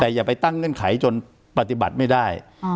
แต่อย่าไปตั้งเงื่อนไขจนปฏิบัติไม่ได้